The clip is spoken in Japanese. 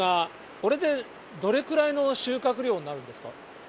これでどれくらいの収穫量になるんですか？